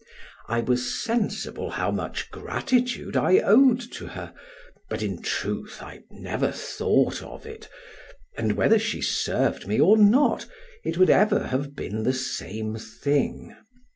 I was sensible how much gratitude I owed to her, but in truth, I never thought of it, and whether she served me or not, it would ever have been the same thing.